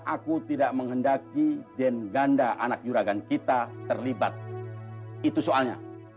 aku jangankan danu hanya pas mercury